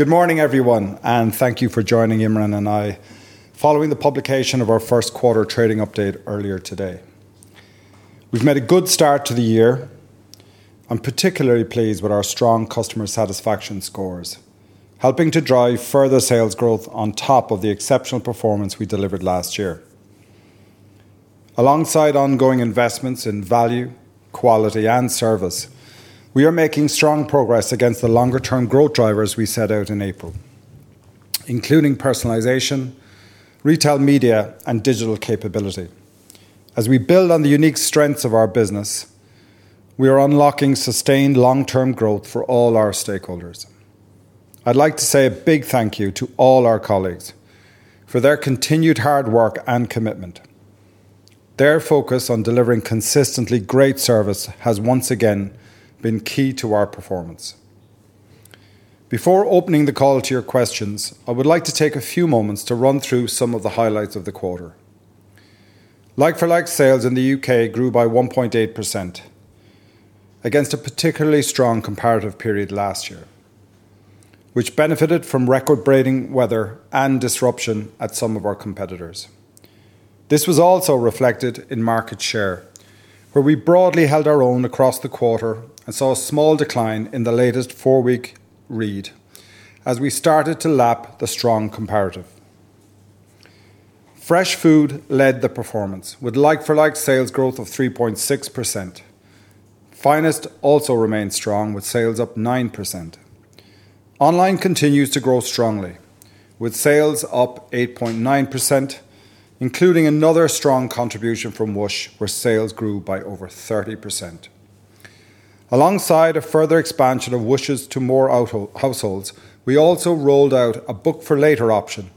Good morning, everyone, and thank you for joining Imran and me following the publication of our first-quarter trading update earlier today. We've made a good start to the year. I'm particularly pleased with our strong customer satisfaction scores, helping to drive further sales growth on top of the exceptional performance we delivered last year. Alongside ongoing investments in value, quality, and service, we are making strong progress against the longer-term growth drivers we set out in April, including personalization, retail media, and digital capability. As we build on the unique strengths of our business, we are unlocking sustained long-term growth for all our stakeholders. I'd like to say a big thank you to all our colleagues for their continued hard work and commitment. Their focus on delivering consistently great service has once again been key to our performance. Before opening the call to your questions, I would like to take a few moments to run through some of the highlights of the quarter. Like-for-like sales in the U.K. grew by 1.8% against a particularly strong comparative period last year, which benefited from record-breaking weather and disruption at some of our competitors. This was also reflected in market share, where we broadly held our own across the quarter and saw a small decline in the latest four-week read as we started to lap the strong comparative. Fresh food led the performance with like-for-like sales growth of 3.6%. Finest also remained strong, with sales up 9%. Online continues to grow strongly, with sales up 8.9%, including another strong contribution from Whoosh, where sales grew by over 30%. Alongside a further expansion of Whoosh to more households, we also rolled out a Book for Later option,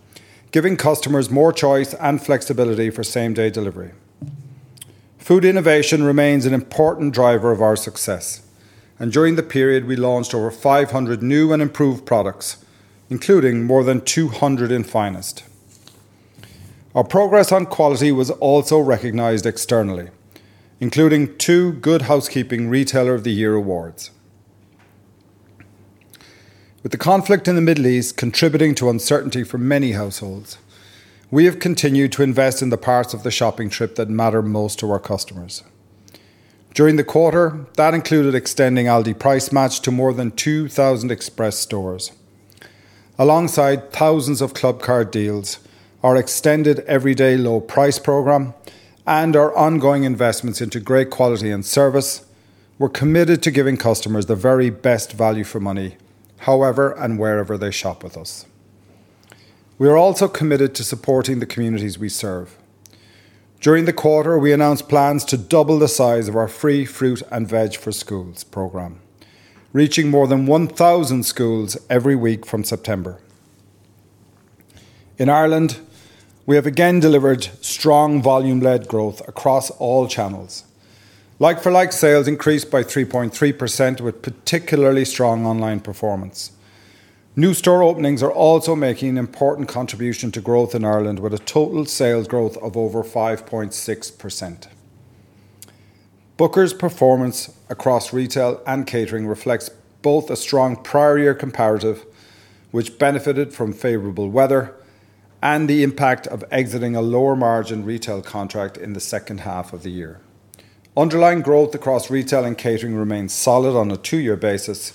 giving customers more choice and flexibility for same-day delivery. Food innovation remains an important driver of our success, and during the period, we launched over 500 new and improved products, including more than 200 in Finest. Our progress on quality was also recognized externally, including two Good Housekeeping Retailer of the Year awards. With the conflict in the Middle East contributing to uncertainty for many households, we have continued to invest in the parts of the shopping trip that matter most to our customers. During the quarter, that included extending Aldi Price Match to more than 2,000 Express stores. Alongside thousands of Clubcard deals, our extended Everyday Low Prices program, and our ongoing investments into great quality and service, we're committed to giving customers the very best value for money however and wherever they shop with us. We are also committed to supporting the communities we serve. During the quarter, we announced plans to double the size of our free fruit and veg for schools program, reaching more than 1,000 schools every week from September. In Ireland, we have again delivered strong volume-led growth across all channels. Like-for-like sales increased by 3.3%, with particularly strong online performance. New store openings are also making an important contribution to growth in Ireland, with a total sales growth of over 5.6%. Booker's performance across retail and catering reflects both a strong prior year comparative, which benefited from favorable weather and the impact of exiting a lower-margin retail contract in the second half of the year. Underlying growth across retail and catering remains solid on a two-year basis,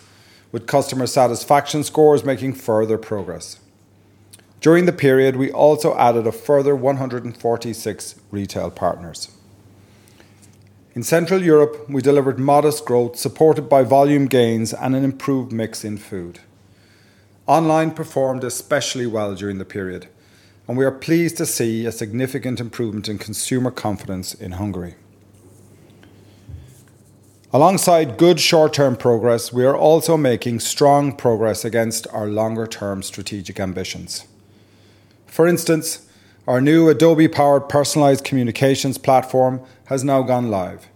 with customer satisfaction scores making further progress. During the period, we also added a further 146 retail partners. In Central Europe, we delivered modest growth supported by volume gains and an improved mix in food. Online performed especially well during the period, and we are pleased to see a significant improvement in consumer confidence in Hungary. Alongside good short-term progress, we are also making strong progress against our longer-term strategic ambitions. For instance, our new Adobe-powered personalized communications platform has now gone live,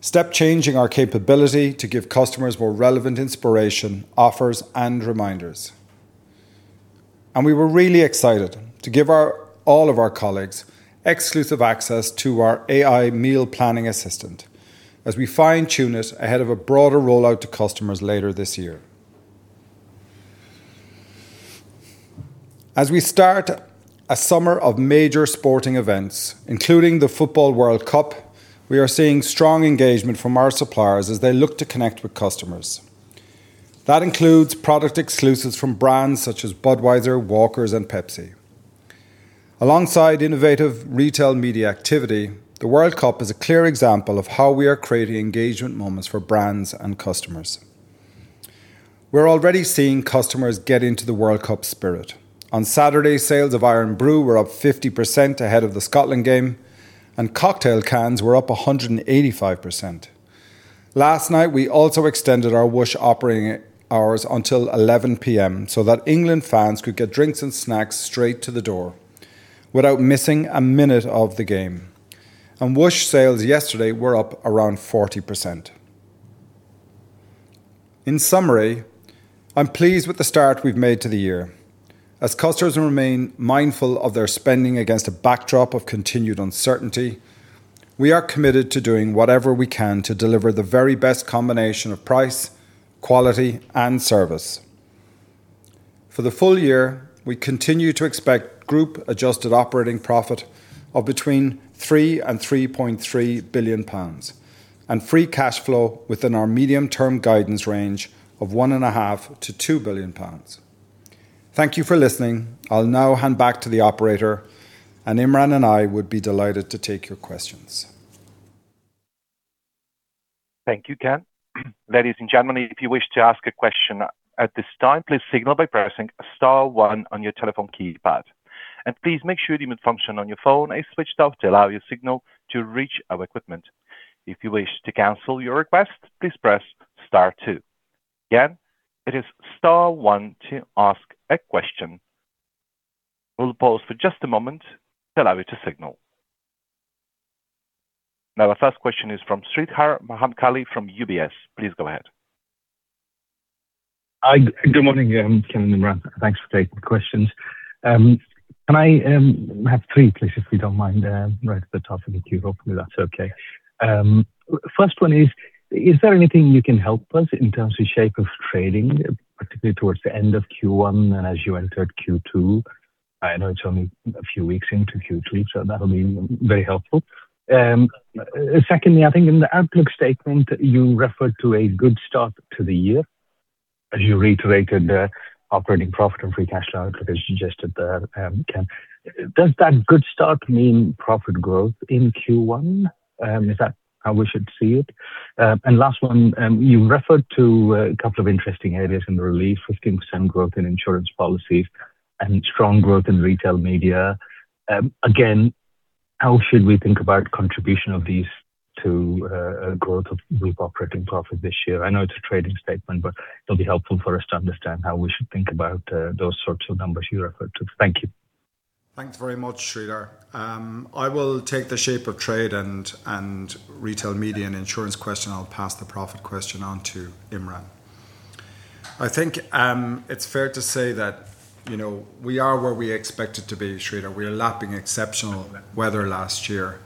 step-changing our capability to give customers more relevant inspiration, offers, and reminders. We were really excited to give all of our colleagues exclusive access to our AI meal planning assistant as we fine-tune it ahead of a broader rollout to customers later this year. As we start a summer of major sporting events, including the World Cup, we are seeing strong engagement from our suppliers as they look to connect with customers. That includes product exclusives from brands such as Budweiser, Walkers, and Pepsi. Alongside innovative retail media activity, the World Cup is a clear example of how we are creating engagement moments for brands and customers. We're already seeing customers get into the World Cup spirit. On Saturday, sales of IRN-BRU were up 50% ahead of the Scotland game, and cocktail cans were up 185%. Last night, we also extended our Whoosh operating hours until 11:00 P.M. England fans could get drinks and snacks straight to the door without missing a minute of the game. Whoosh sales yesterday were up around 40%. In summary, I'm pleased with the start we've made to the year. As customers remain mindful of their spending against a backdrop of continued uncertainty. We are committed to doing whatever we can to deliver the very best combination of price, quality, and service. For the full year, we continue to expect group adjusted operating profit of between 3 billion and 3.3 billion pounds, and free cash flow within our medium-term guidance range of 1.5 billion to 2 billion pounds. Thank you for listening. I'll now hand back to the operator, and Imran and I would be delighted to take your questions. Thank you, Ken. Ladies and gentlemen, if you wish to ask a question at this time, please signal by pressing star one on your telephone keypad. Please make sure the mute function on your phone is switched off to allow your signal to reach our equipment. If you wish to cancel your request, please press star two. Again, it is star one to ask a question. We'll pause for just a moment to allow you to signal. Our first question is from Sreedhar Mahamkali from UBS. Please go ahead. Hi. Good morning, Ken and Imran. Thanks for taking questions. Can I have three, please, if you don't mind, right at the top of the queue? Hopefully, that's okay. First one is there anything you can help us in terms of shape of trading, particularly towards the end of Q1 and as you entered Q2? I know it's only a few weeks into Q2, that'll be very helpful. Secondly, I think in the outlook statement, you referred to a good start to the year as you reiterated the operating profit and free cash flow as you suggested there, Ken. Does that good start mean profit growth in Q1? Is that how we should see it? Last one, you referred to a couple of interesting areas in the release, 15% growth in insurance policies and strong growth in retail media. Again, how should we think about contribution of these to growth of group operating profit this year? I know it's a trading statement, it'll be helpful for us to understand how we should think about those sorts of numbers you referred to. Thank you. Thanks very much, Sreedhar. I will take the shape of trade and retail media and insurance question. I'll pass the profit question on to Imran. I think it's fair to say that we are where we expected to be, Sreedhar. We are lapping exceptional weather last year.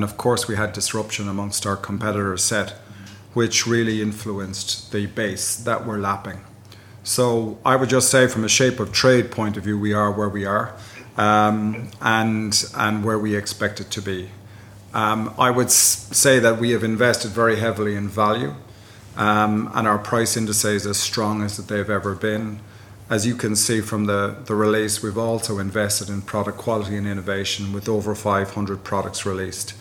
Of course, we had disruption amongst our competitor set, which really influenced the base that we're lapping. I would just say from a shape of trade point of view, we are where we are and where we expected to be. I would say that we have invested very heavily in value, our price indices are as strong as they've ever been. As you can see from the release, we've also invested in product quality and innovation with over 500 products released.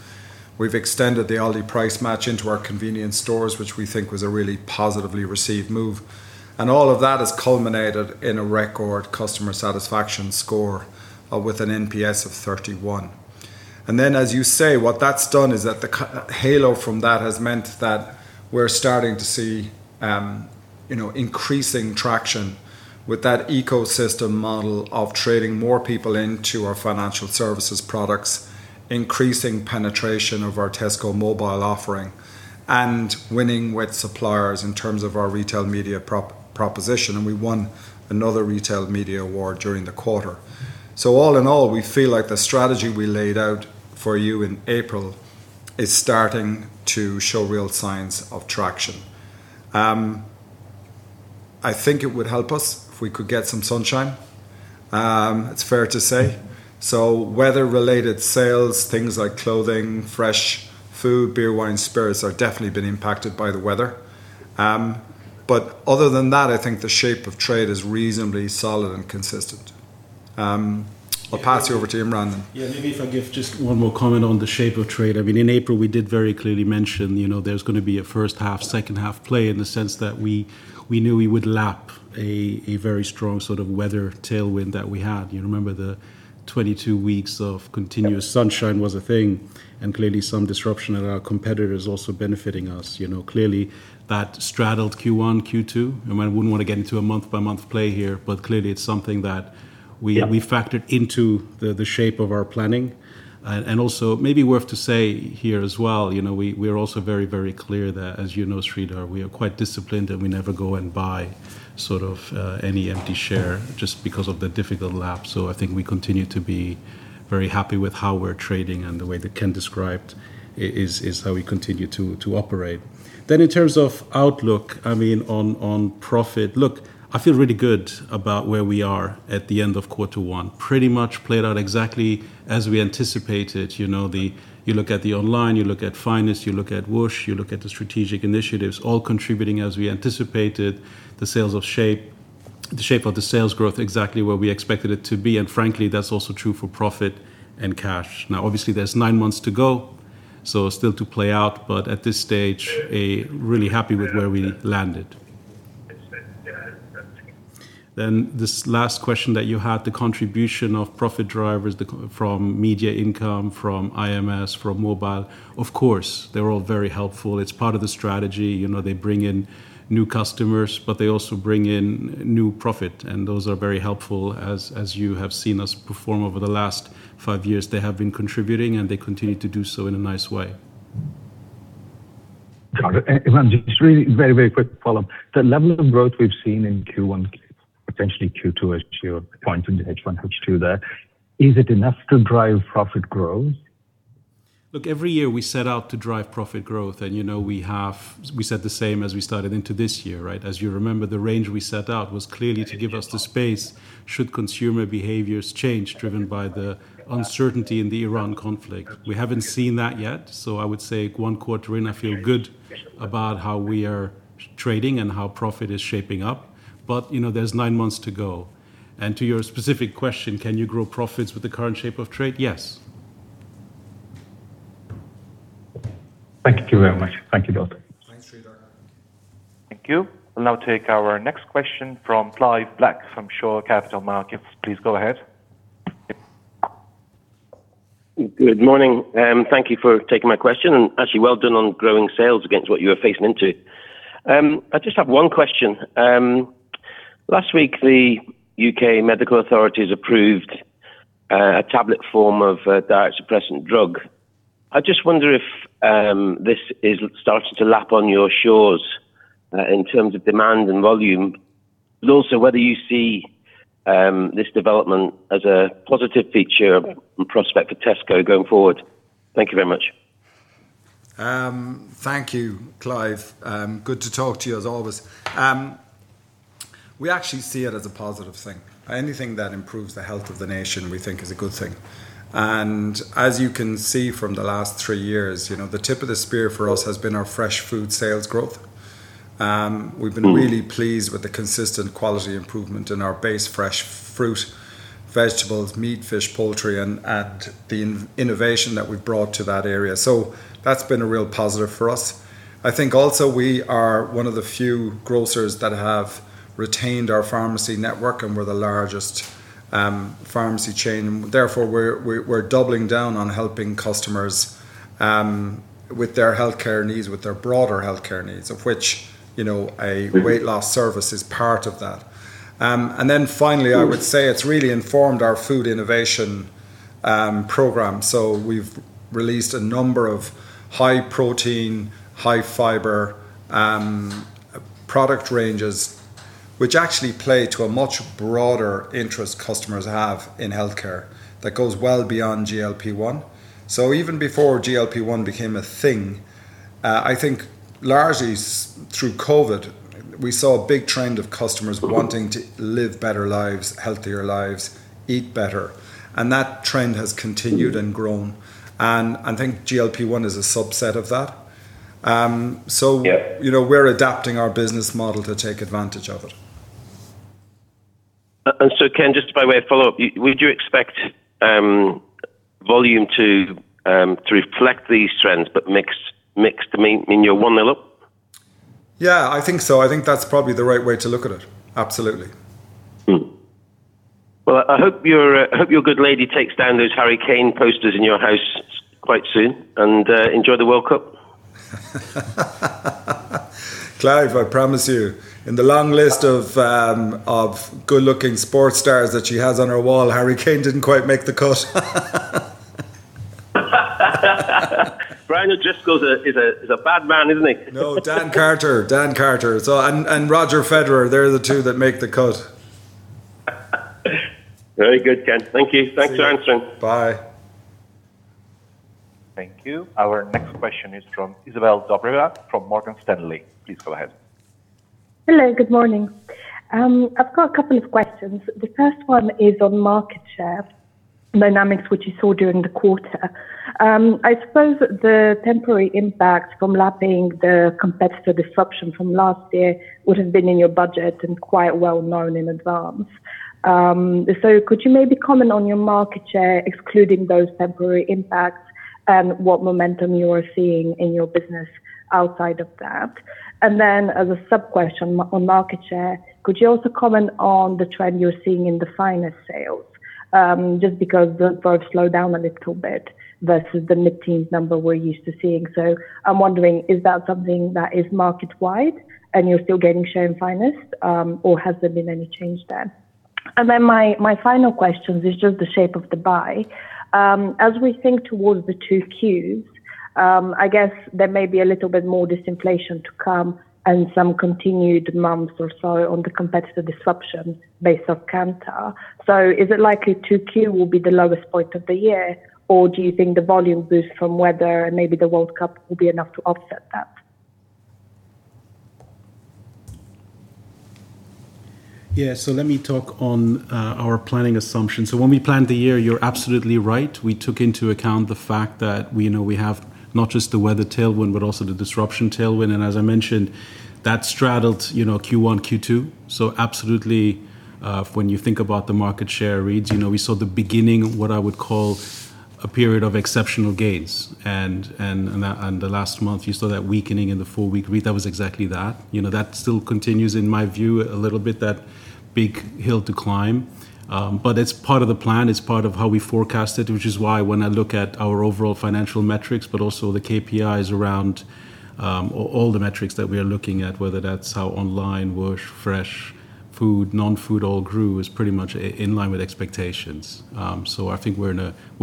We've extended the Aldi Price Match into our convenience stores, which we think was a really positively received move. All of that has culminated in a record customer satisfaction score with an NPS of 31. Then, as you say, what that's done is that the halo from that has meant that we're starting to see increasing traction with that ecosystem model of trading more people into our financial services products, increasing penetration of our Tesco Mobile offering, winning with suppliers in terms of our retail media proposition. We won another retail media award during the quarter. All in all, we feel like the strategy we laid out for you in April is starting to show real signs of traction. I think it would help us if we could get some sunshine, it's fair to say. Weather-related sales, things like clothing, fresh food, beer, wine, spirits have definitely been impacted by the weather. Other than that, I think the shape of trade is reasonably solid and consistent. I'll pass you over to Imran. Maybe if I give just one more comment on the shape of trade. In April, we did very clearly mention there's going to be a first half, second half play in the sense that we knew we would lap a very strong weather tailwind that we had. You remember the 22 weeks of continuous sunshine was a thing, and clearly some disruption at our competitors also benefiting us. Clearly, that straddled Q1, Q2. I wouldn't want to get into a month-by-month play here, but clearly it's something that we Yeah factored into the shape of our planning. Also, maybe worth to say here as well, we are also very clear that, as you know, Sreedhar, we are quite disciplined and we never go and buy any market share just because of the difficult lap. I think we continue to be very happy with how we're trading, and the way that Ken described is how we continue to operate. In terms of outlook on profit, look, I feel really good about where we are at the end of quarter one. Pretty much played out exactly as we anticipated. You look at the online, you look at Finest, you look at Whoosh, you look at the strategic initiatives, all contributing as we anticipated, the shape of the sales growth exactly where we expected it to be. frankly, that's also true for profit and cash. Now obviously there's nine months to go, still to play out, but at this stage, really happy with where we landed. This last question that you had, the contribution of profit drivers from media income, from IMS, from mobile, of course, they're all very helpful. It's part of the strategy. They bring in new customers, but they also bring in new profit, and those are very helpful. As you have seen us perform over the last five years, they have been contributing, and they continue to do so in a nice way Got it. Imran, just really very quick follow-up. The level of growth we've seen in Q1, potentially Q2 as you're pointing to H1, H2 there, is it enough to drive profit growth? Look, every year we set out to drive profit growth. We said the same as we started into this year. You remember, the range we set out was clearly to give us the space should consumer behaviors change driven by the uncertainty in the Iran conflict. We haven't seen that yet, so I would say one quarter in, I feel good about how we are trading and how profit is shaping up. There's nine months to go. To your specific question, can you grow profits with the current shape of trade? Yes. Thank you very much. Thank you, both. Thanks, Imran. Thank you. We'll now take our next question from Clive Black from Shore Capital Markets. Please go ahead. Good morning. Thank you for taking my question, actually well done on growing sales against what you were facing into. I just have one question. Last week, the U.K. medical authorities approved a tablet form of a diet suppressant drug. I just wonder if this is starting to lap on your shores in terms of demand and volume, also whether you see this development as a positive feature and prospect for Tesco going forward. Thank you very much. Thank you, Clive. Good to talk to you as always. We actually see it as a positive thing. Anything that improves the health of the nation we think is a good thing. As you can see from the last three years, the tip of the spear for us has been our fresh food sales growth. We've been really pleased with the consistent quality improvement in our base fresh fruit, vegetables, meat, fish, poultry, and at the innovation that we've brought to that area. That's been a real positive for us. I think also we are one of the few grocers that have retained our pharmacy network, and we're the largest pharmacy chain. Therefore, we're doubling down on helping customers with their broader healthcare needs, of which a weight loss service is part of that. Then finally, I would say it's really informed our food innovation program. We've released a number of high protein, high fiber product ranges which actually play to a much broader interest customers have in healthcare that goes well beyond GLP-1. Even before GLP-1 became a thing, I think largely through COVID, we saw a big trend of customers wanting to live better lives, healthier lives, eat better, that trend has continued and grown. I think GLP-1 is a subset of that. Yep. We're adapting our business model to take advantage of it. Ken, just by way of follow-up, would you expect volume to reflect these trends, but mix means you're one-nil up? Yeah, I think so. I think that's probably the right way to look at it. Absolutely. I hope your good lady takes down those Harry Kane posters in your house quite soon and enjoy the World Cup. Clive, I promise you, in the long list of good-looking sports stars that she has on her wall, Harry Kane didn't quite make the cut. Justo Bruno is a bad man, isn't he? No, Dan Carter. Roger Federer, they're the two that make the cut. Very good, Ken. Thank you. Thanks for answering. Bye. Thank you. Our next question is from Izabel Dobreva from Morgan Stanley. Please go ahead. Hello, good morning. I've got a couple of questions. The first one is on market share dynamics, which you saw during the quarter. I suppose the temporary impact from lapping the competitor disruption from last year would have been in your budget and quite well known in advance. Could you maybe comment on your market share, excluding those temporary impacts and what momentum you are seeing in your business outside of that? As a sub-question on market share, could you also comment on the trend you're seeing in the Finest sales? Just because those slowed down a little bit versus the mid-teens number we're used to seeing. I'm wondering, is that something that is market wide and you're still gaining share in Finest, or has there been any change there? My final question is just the shape of the buy. As we think towards the 2Qs, I guess there may be a little bit more disinflation to come and some continued months or so on the competitor disruption base of Kantar. Is it likely 2Q will be the lowest point of the year, or do you think the volume boost from weather and maybe the World Cup will be enough to offset that? Yeah. Let me talk on our planning assumption. When I planned the year, you're absolutely right. We took into account the fact that we have not just the weather tailwind, but also the disruption tailwind. As I mentioned, that straddled Q1, Q2. Absolutely, when you think about the market share reads, we saw the beginning of what I would call a period of exceptional gains. The last month you saw that weakening in the four-week read, that was exactly that. That still continues, in my view, a little bit, that big hill to climb. It's part of the plan. It's part of how we forecast it, which is why when I look at our overall financial metrics, but also the KPIs around all the metrics that we are looking at, whether that's how online, fresh food, non-food all grew, is pretty much in line with expectations. I think we're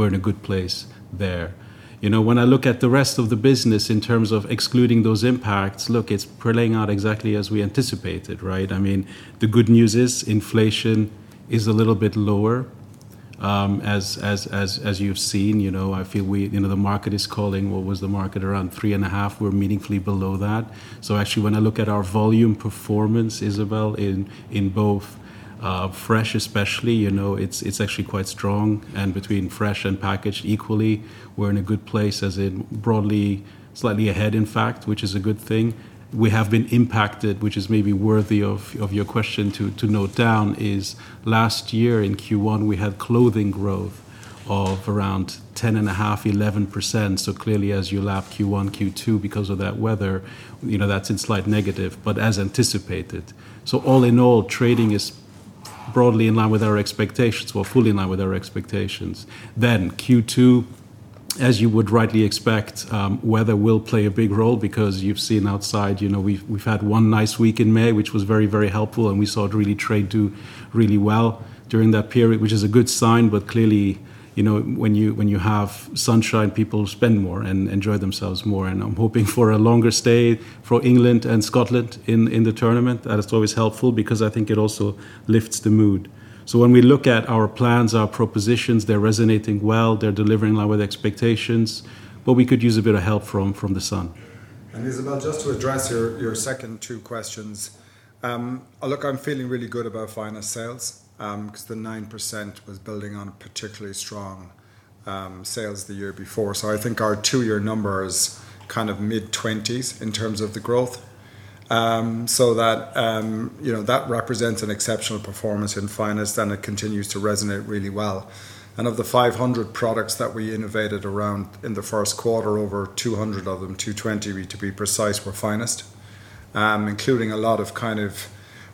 in a good place there. When I look at the rest of the business in terms of excluding those impacts, look, it's playing out exactly as we anticipated. The good news is inflation is a little bit lower. As you've seen, I feel the market is cooling. What was the market around 3.5%? We're meaningfully below that. Actually, when I look at our volume performance, Izabel, in both fresh especially, it's actually quite strong and between fresh and packaged equally, we're in a good place, as in broadly slightly ahead, in fact, which is a good thing. We have been impacted, which is maybe worthy of your question to note down is last year in Q1, we had clothing growth of around 10.5%-11%. Clearly, as you lap Q1, Q2 because of that weather, that's in slight negative, but as anticipated. All in all, trading is broadly in line with our expectations. We're fully in line with our expectations. Q2, as you would rightly expect, weather will play a big role because you've seen outside, we've had one nice week in May, which was very, very helpful, and we saw really trade do really well during that period, which is a good sign, but clearly, when you have sunshine, people spend more and enjoy themselves more. I'm hoping for a longer stay for England and Scotland in the tournament. That is always helpful because I think it also lifts the mood. When we look at our plans, our propositions, they're resonating well, they're delivering in line with expectations, but we could use a bit of help from the sun. Izabel, just to address your second two questions. Look, I'm feeling really good about Finest sales, because the 9% was building on a particularly strong sales the year before. I think our two-year number is mid-20s in terms of the growth. That represents an exceptional performance in Finest, and it continues to resonate really well. Of the 500 products that we innovated around in the first quarter, over 200 of them, 220 to be precise, were Finest, including a lot of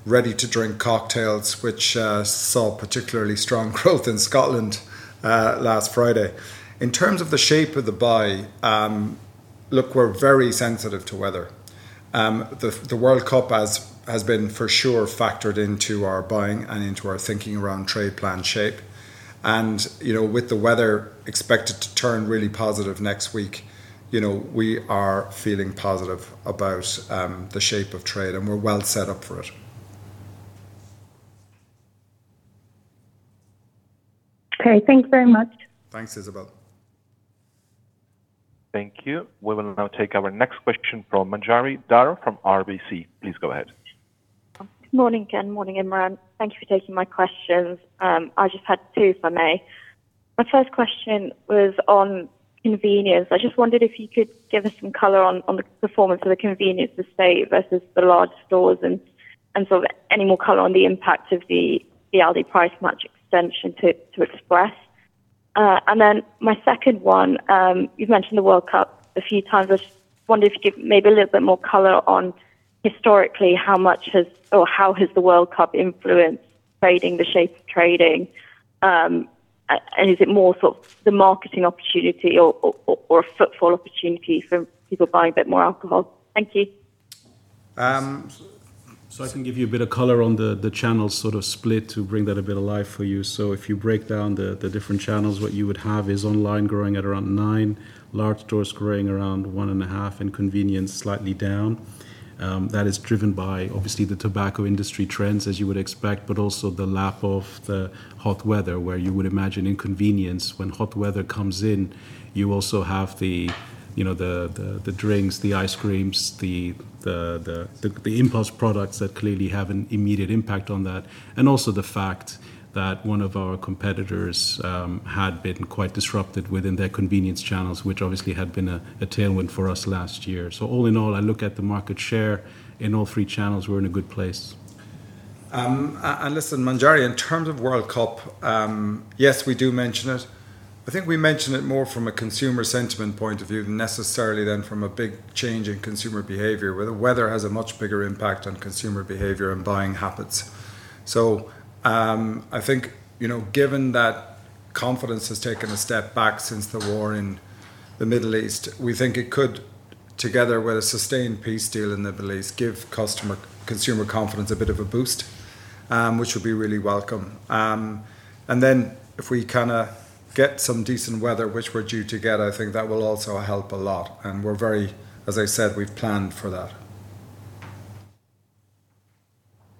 ready-to-drink cocktails, which saw particularly strong growth in Scotland last Friday. In terms of the shape of the buy, look, we're very sensitive to weather. The World Cup has been for sure factored into our buying and into our thinking around trade plan shape. With the weather expected to turn really positive next week, we are feeling positive about the shape of trade, and we're well set up for it. Okay, thanks very much. Thanks, Izabel. Thank you. We will now take our next question from Manjari Dhar from RBC. Please go ahead. Good morning, Ken. Morning, Imran. Thank you for taking my questions. I just had two, if I may. My first question was on convenience. I just wondered if you could give us some color on the performance of the convenience estate versus the large stores and any more color on the impact of the Aldi Price Match extension to Express. My second one, you've mentioned the World Cup a few times. I just wondered if you could maybe a little bit more color on historically how has the World Cup influenced the shape of trading. Is it more the marketing opportunity or a footfall opportunity for people buying a bit more alcohol? Thank you. I can give you a bit of color on the channel split to bring that a bit alive for you. If you break down the different channels, what you would have is online growing at around nine, large stores growing around one and a half, and convenience slightly down. That is driven by obviously the tobacco industry trends, as you would expect, but also the lap of the hot weather, where you would imagine in convenience, when hot weather comes in, you also have the drinks, the ice creams, the impulse products that clearly have an immediate impact on that. Also the fact that one of our competitors had been quite disrupted within their convenience channels, which obviously had been a tailwind for us last year. All in all, I look at the market share in all three channels, we're in a good place. Listen, Manjari, in terms of World Cup, yes, we do mention it. I think we mention it more from a consumer sentiment point of view than from a big change in consumer behavior, where the weather has a much bigger impact on consumer behavior and buying habits. I think, given that confidence has taken a step back since the war in the Middle East, we think it could, together with a sustained peace deal in the Middle East, give consumer confidence a bit of a boost, which would be really welcome. If we get some decent weather, which we're due together, I think that will also help a lot. We're very, as I said, we've planned for that.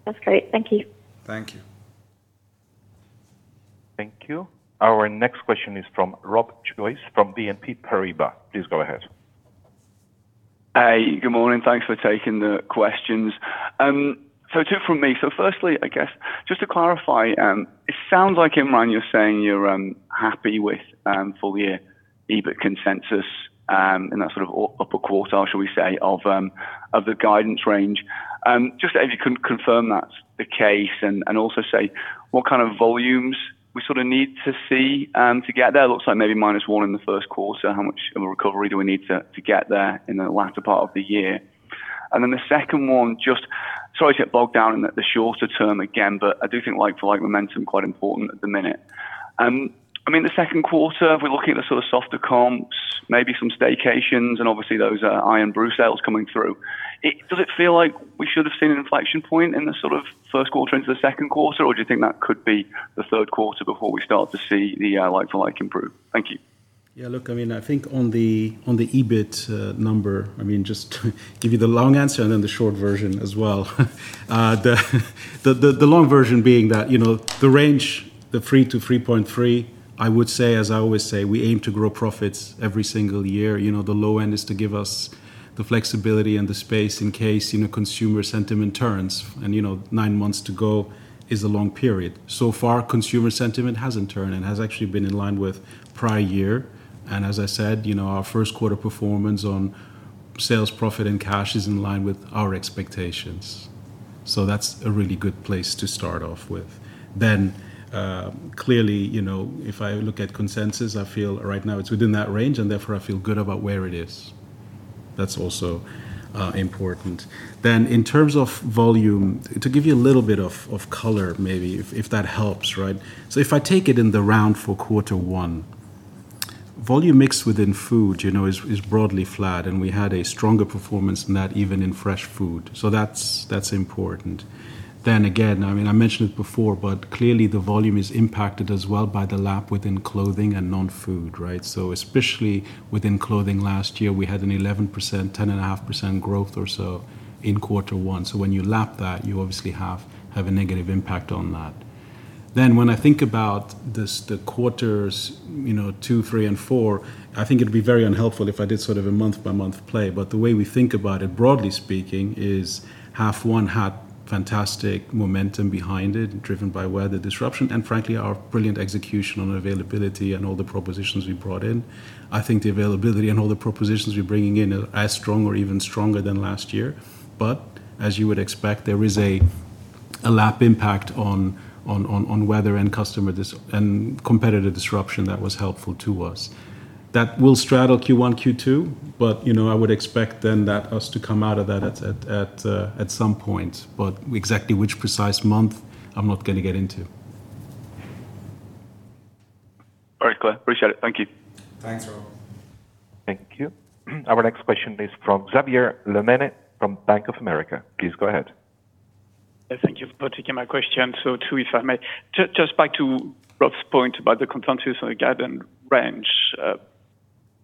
That's great. Thank you. Thank you. Thank you. Our next question is from Rob Joyce from BNP Paribas. Please go ahead. Hi, good morning. Thanks for taking the questions. Two from me. Firstly, I guess just to clarify, it sounds like, Imran, you're saying you're happy with full year EBIT consensus in that upper quartile, shall we say, of the guidance range. Just if you could confirm that's the case and also say what kind of volumes we need to see to get there. Looks like maybe minus one in the first quarter. How much of a recovery do we need to get there in the latter part of the year? The second one, just sorry to get bogged down in the shorter term again, but I do think like-for-like momentum quite important at the minute. In the second quarter, if we're looking at the softer comps, maybe some staycations and obviously those IRN-BRU sales coming through. Does it feel like we should have seen an inflection point in the first quarter into the second quarter? Do you think that could be the third quarter before we start to see the like-for-like improve? Thank you. Yeah, look, I think on the EBIT number, just to give you the long answer and then the short version as well. The long version being that the range, the 3-3.3, I would say, as I always say, we aim to grow profits every single year. The low end is to give us the flexibility and the space in case consumer sentiment turns. Nine months to go is a long period. So far, consumer sentiment hasn't turned and has actually been in line with prior year. As I said, our first quarter performance on sales profit and cash is in line with our expectations. That's a really good place to start off with. Clearly, if I look at consensus, I feel right now it's within that range, and therefore, I feel good about where it is. That's also important. In terms of volume, to give you a little bit of color, maybe, if that helps. If I take it in the round for quarter one, volume mix within food is broadly flat, and we had a stronger performance than that even in fresh food. That's important. Again, I mentioned it before, but clearly the volume is impacted as well by the lap within clothing and non-food. Especially within clothing last year, we had an 11%, 10.5% growth or so in quarter one. When you lap that, you obviously have a negative impact on that. When I think about the quarters two, three, and four, I think it'd be very unhelpful if I did sort of a month-by-month play. The way we think about it, broadly speaking, is half one had fantastic momentum behind it, driven by weather disruption and frankly our brilliant execution on availability and all the propositions we brought in. I think the availability and all the propositions we're bringing in are as strong or even stronger than last year. As you would expect, there is a lap impact on weather and customer and competitive disruption that was helpful to us. That will straddle Q1, Q2, I would expect then that us to come out of that at some point. Exactly which precise month, I'm not going to get into. All right, Ken. Appreciate it. Thank you. Thanks, Rob. Thank you. Our next question is from Xavier Le Mené from Bank of America. Please go ahead. Thank you for taking my question. Two, if I may. Just back to Rob's point about the consensus on the guided range.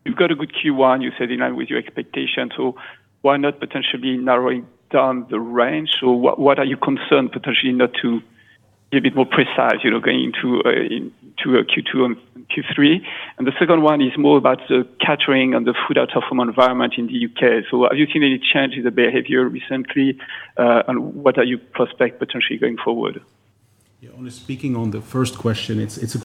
You've got a good Q1, you said in line with your expectations. Why not potentially narrowing down the range? What are you concerned potentially not to be a bit more precise going into Q2 and Q3? The second one is more about the catering and the food out of home environment in the U.K. Have you seen any change in the behavior recently? What are you prospect potentially going forward? On speaking on the first question, it's a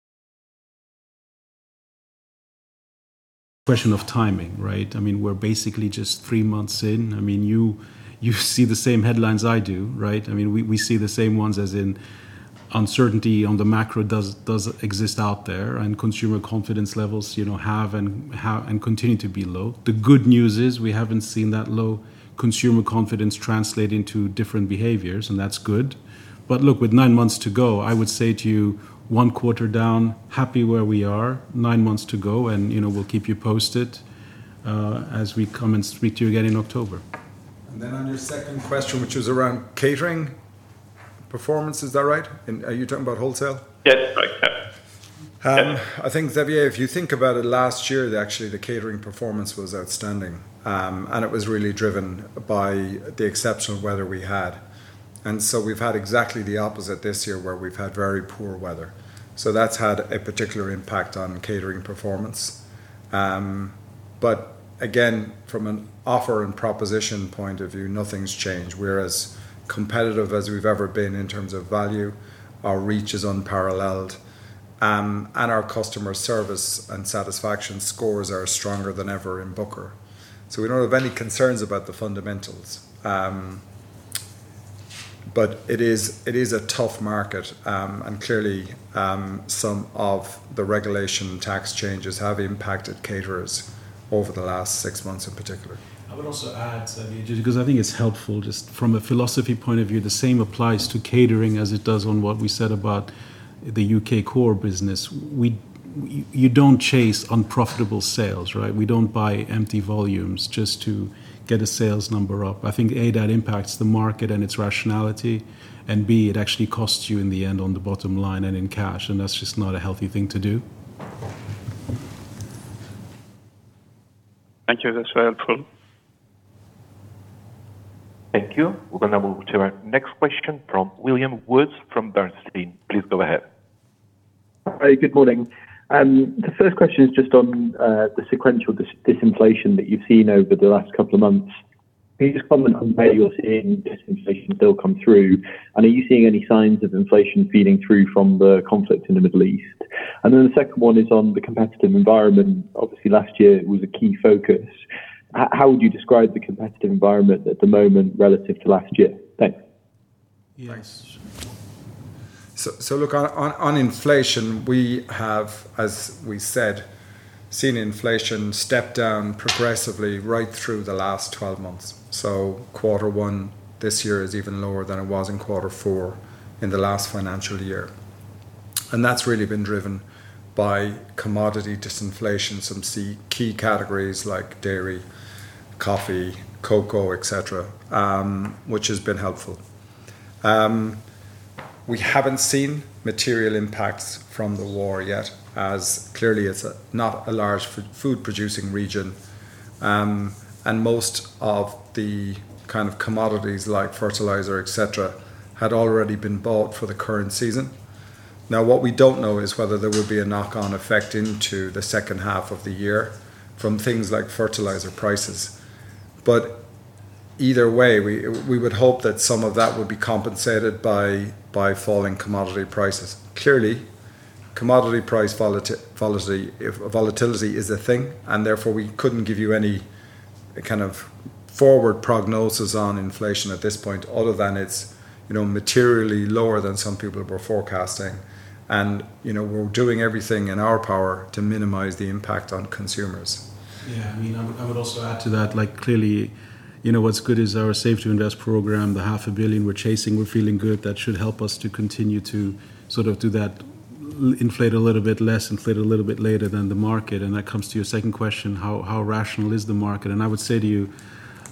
question of timing, right? We're basically just three months in. You see the same headlines I do, right? We see the same ones as in uncertainty on the macro does exist out there, and consumer confidence levels have and continue to be low. The good news is we haven't seen that low consumer confidence translate into different behaviors, and that's good. Look, with nine months to go, I would say to you, one quarter down, happy where we are. Nine months to go, we'll keep you posted as we come and speak to you again in October. On your second question, which was around catering performance, is that right? Are you talking about wholesale? Yes, right. Yes. I think, Xavier, if you think about it, last year, actually the catering performance was outstanding. It was really driven by the exceptional weather we had. We've had exactly the opposite this year, where we've had very poor weather. That's had a particular impact on catering performance. Again, from an offer and proposition point of view, nothing's changed. We're as competitive as we've ever been in terms of value. Our reach is unparalleled. Our customer service and satisfaction scores are stronger than ever in Booker. We don't have any concerns about the fundamentals. It is a tough market. Clearly, some of the regulation tax changes have impacted caterers over the last six months in particular. I would also add, Xavier, just because I think it's helpful just from a philosophy point of view, the same applies to catering as it does on what we said about the U.K. core business. You don't chase unprofitable sales, right? We don't buy empty volumes just to get a sales number up. I think, A, that impacts the market and its rationality, B, it actually costs you in the end on the bottom line and in cash, that's just not a healthy thing to do. Thank you. That is very helpful. Thank you. We are going to move to our next question from William Woods from Bernstein. Please go ahead. Hi, good morning. The first question is just on the sequential disinflation that you have seen over the last couple of months. Can you just comment on where you are seeing disinflation still come through? Are you seeing any signs of inflation feeding through from the conflict in the Middle East? The second one is on the competitive environment. Obviously, last year it was a key focus. How would you describe the competitive environment at the moment relative to last year? Thanks. Yes. Thanks. Look, on inflation, we have, as we said, seen inflation step down progressively right through the last 12 months. Quarter one this year is even lower than it was in quarter four in the last financial year. That is really been driven by commodity disinflation. Some key categories like dairy, coffee, cocoa, et cetera, which has been helpful. We have not seen material impacts from the war yet, as clearly it is not a large food-producing region. Most of the commodities, like fertilizer, et cetera, had already been bought for the current season. Now what we do not know is whether there will be a knock-on effect into the second half of the year from things like fertilizer prices. Either way, we would hope that some of that would be compensated by falling commodity prices. Clearly, commodity price volatility is a thing. Therefore, we couldn't give you any kind of forward prognosis on inflation at this point, other than it's materially lower than some people were forecasting. We're doing everything in our power to minimize the impact on consumers. Yeah. I would also add to that, clearly, what's good is our Save to Invest program, the half a billion we're chasing. We're feeling good. That should help us to continue to sort of do that inflate a little bit less, inflate a little bit later than the market. That comes to your second question, how rational is the market? I would say to you,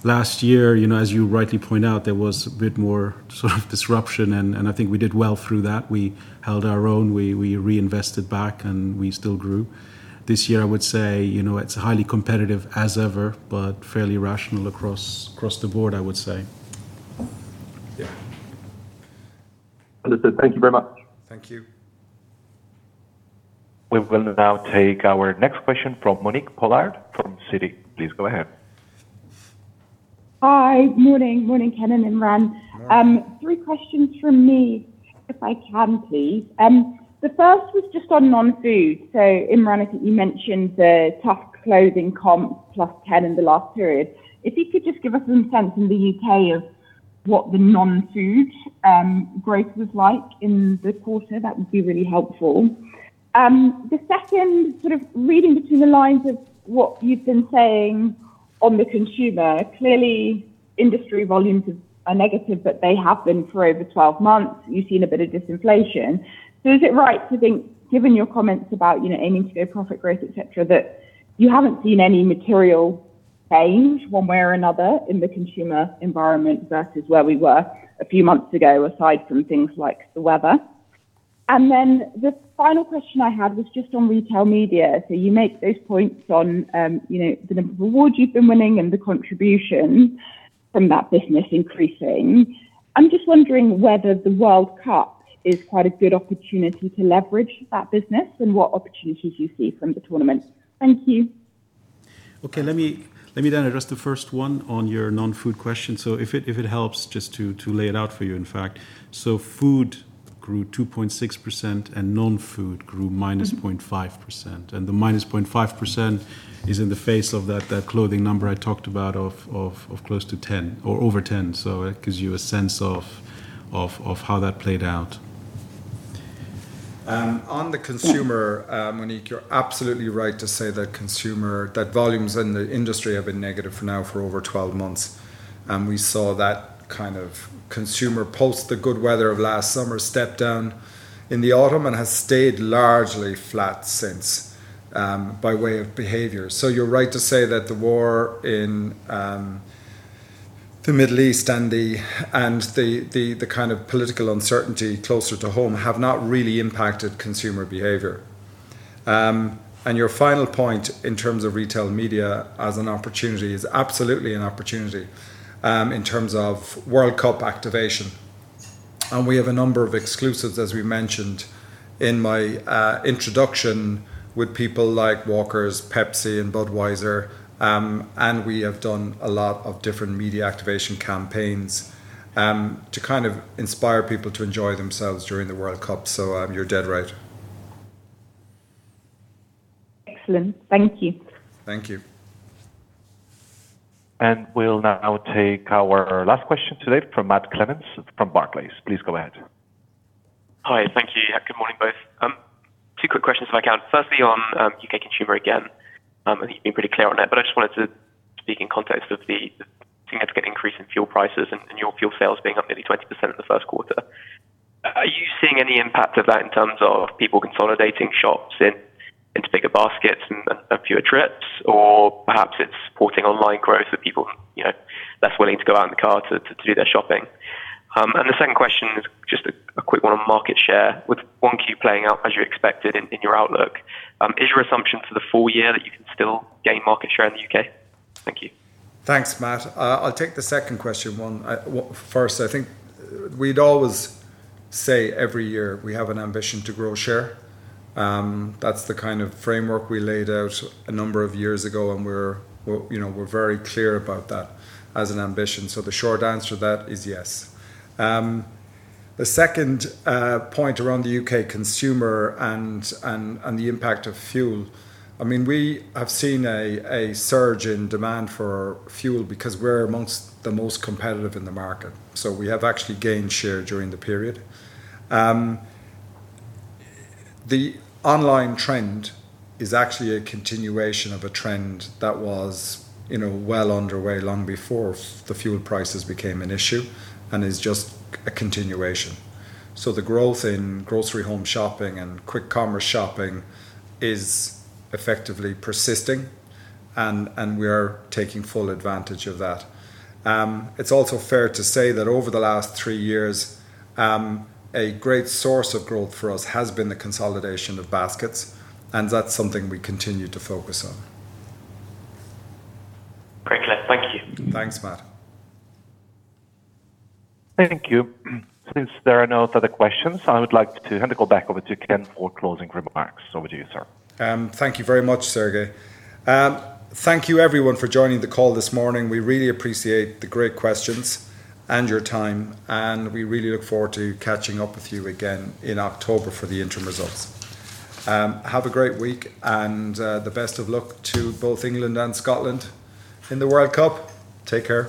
last year, as you rightly point out, there was a bit more sort of disruption, and I think we did well through that. We held our own, we reinvested back, and we still grew. This year, I would say, it's highly competitive as ever, but fairly rational across the board, I would say. Yeah. Elizabeth, thank you very much. Thank you. We will now take our next question from Monique Pollard from Citi. Please go ahead. Hi. Morning, Ken and Imran. Morning. Three questions from me if I can, please. The first was just on non-food. Imran, I think you mentioned the tough clothing comps plus 10 in the last period. If you could just give us some sense in the U.K. of what the non-food growth was like in the quarter, that would be really helpful. The second sort of reading between the lines of what you've been saying on the consumer, clearly industry volumes are negative, but they have been for over 12 months. You've seen a bit of disinflation. Is it right to think, given your comments about aiming for low profit growth, et cetera, that you haven't seen any material change one way or another in the consumer environment versus where we were a few months ago, aside from things like the weather? The final question I had was just on retail media. You make those points on the number of awards you've been winning and the contribution from that business increasing. I'm just wondering whether the World Cup is quite a good opportunity to leverage that business, and what opportunities you see from the tournament. Thank you. Let me address the first one on your non-food question. If it helps just to lay it out for you, in fact, food grew 2.6% and non-food grew minus 0.5%. The minus 0.5% is in the face of that clothing number I talked about of close to 10 or over 10. It gives you a sense of how that played out. On the consumer, Monique, you're absolutely right to say that volumes in the industry have been negative now for over 12 months. We saw that kind of consumer post the good weather of last summer step down in the autumn and has stayed largely flat since, by way of behavior. You're right to say that the war in the Middle East and the kind of political uncertainty closer to home have not really impacted consumer behavior. Your final point in terms of retail media as an opportunity is absolutely an opportunity in terms of World Cup activation. We have a number of exclusives, as we mentioned in my introduction, with people like Walkers, Pepsi, and Budweiser, and we have done a lot of different media activation campaigns to inspire people to enjoy themselves during the World Cup. You're dead right. Excellent. Thank you. Thank you. We'll now take our last question today from Matt Clements from Barclays. Please go ahead. Hi. Thank you. Good morning, both. Two quick questions if I can. Firstly on U.K. consumer, again, you've been pretty clear on it, but I just wanted to speak in context of the significant increase in fuel prices and your fuel sales being up nearly 20% in the first quarter. Are you seeing any impact of that in terms of people consolidating shops into bigger baskets and fewer trips? Or perhaps it's supporting online growth, so people are less willing to go out in the car to do their shopping. The second question is just a quick one on market share. With 1Q playing out as you expected in your outlook, is your assumption for the full year that you can still gain market share in the U.K.? Thank you. Thanks, Matt. I'll take the second question first. I think we'd always say every year we have an ambition to grow share. That's the kind of framework we laid out a number of years ago, and we're very clear about that as an ambition. The short answer to that is yes. The second point around the U.K. consumer and the impact of fuel, we have seen a surge in demand for fuel because we're amongst the most competitive in the market, we have actually gained share during the period. The online trend is actually a continuation of a trend that was well underway long before the fuel prices became an issue and is just a continuation. The growth in grocery home shopping and quick commerce shopping is effectively persisting, and we are taking full advantage of that. It's also fair to say that over the last three years, a great source of growth for us has been the consolidation of baskets, and that's something we continue to focus on. Great, Ken. Thank you. Thanks, Matt. Thank you. Since there are no further questions, I would like to hand the call back over to Ken for closing remarks. Over to you, sir. Thank you very much, Sergey. Thank you everyone for joining the call this morning. We really appreciate the great questions and your time, and we really look forward to catching up with you again in October for the interim results. Have a great week, and the best of luck to both England and Scotland in the World Cup. Take care.